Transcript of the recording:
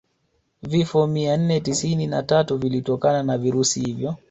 Vifo mia nne tisini na tatu vilitokana na virusi hivyo